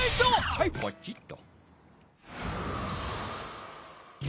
はいポチッと。